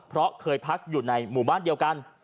เพราะเคยพักอยู่ในหมู่บ้านเดียวกัน